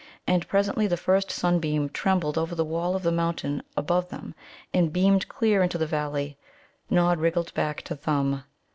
And presently the first sunbeam trembled over the wall of the mountain above them, and beamed clear into the valley. Nod wriggled back to Thumb.